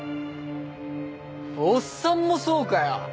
おっさんもそうかよ。